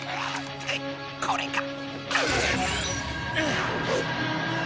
これか！